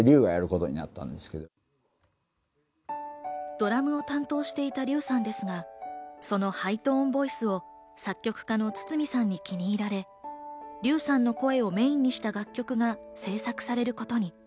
ドラムを担当していた笠さんですが、そのハイトーンボイスを作曲家の筒美さんに気に入られ、笠さんの声をメインにした楽曲が制作されることに。